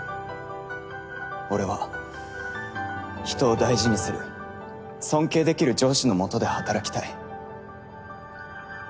俺は人を大事にする尊敬できる上司の下で働きたい。